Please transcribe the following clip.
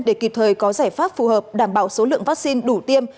để kịp thời có giải pháp phù hợp đảm bảo số lượng vaccine đủ tiêm